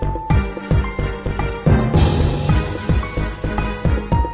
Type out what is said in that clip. อากาศมาก